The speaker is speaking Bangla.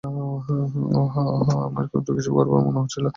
ওহ হ্যাঁ, আমার তো কিছু গড়বড় মনে হয়েছিল।